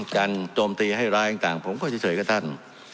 โจมตีให้ร้ายต่างผมก็เฉยกับท่าน